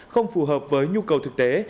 không phù hợp với nhu cầu thực tế